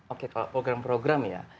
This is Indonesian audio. oke kalau program program ya